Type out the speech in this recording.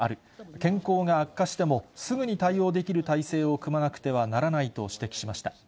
健康が悪化しても、すぐに対応できる体制を組まなくてはならないと指摘しました。